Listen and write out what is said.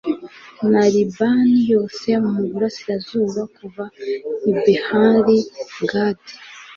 na libani yose mu burasirazuba, kuva i behali gadi